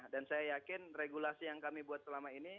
dan saya yakin regulasi yang kami buat selama ini